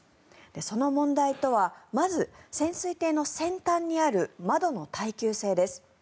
その問題とはまず、潜水艇の先端にある窓の耐久性です。